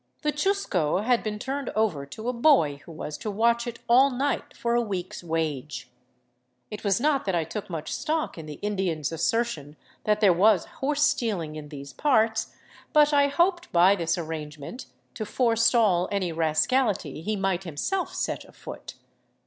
The chusco had been turned over to a boy who was to watch it all night for a week's wage. It was not that I took much stock in the Indian's assertion that there was horse steal ing in these parts ; but I hoped by this arrangement to forestall any ras cality he might himself set afoot.